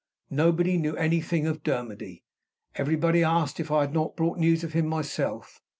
Nobody knew anything of Dermody. Everybody asked if I had not brought news of him myself.